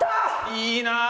いいなあ。